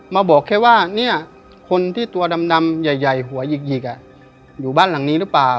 มาบอกแค่ว่าเนี้ยคนที่ตัวดำดำใหญ่ใหญ่หัวหยิกหยิกอ่ะอยู่บ้านหลังนี้หรือเปล่า